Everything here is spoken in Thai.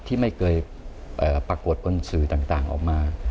ที่ไม่เคยปรากฏบนสื่อต่างออกมา